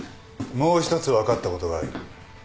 もう一つ分かったことがある。